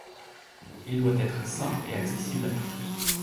Il doit être simple et accessible à tous.